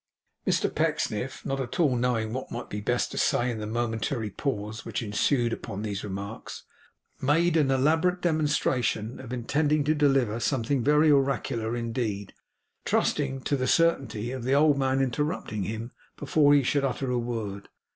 Mr Pecksniff, not at all knowing what it might be best to say in the momentary pause which ensued upon these remarks, made an elaborate demonstration of intending to deliver something very oracular indeed; trusting to the certainty of the old man interrupting him, before he should utter a word.